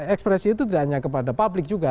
ekspresi itu tidak hanya kepada publik juga